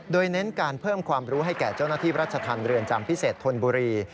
โดยเน้นการเพิ่มความรู้ให้แก่เจ้าหน้าที่รัชธรรมเรือนจำพิเศษธนบุรี